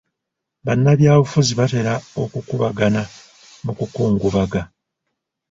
Bannabyabufuzi batera okukuubagana mu kukungubaga